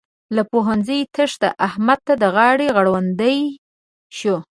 له پوهنځي تېښته؛ احمد ته د غاړې غړوندی شو.